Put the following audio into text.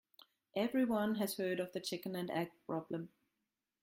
Everyone has heard of the chicken and egg problem.